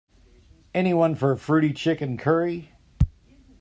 Anyone for fruity chicken curry?